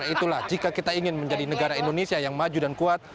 itulah jika kita ingin menjadi negara indonesia yang maju dan kuat